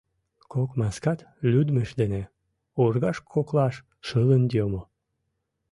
Кок маскат лӱдмышт дене оргаж коклаш шылын йомо.